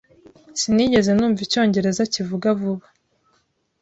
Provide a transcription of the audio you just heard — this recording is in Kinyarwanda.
Sinigeze numva icyongereza kivuga vuba.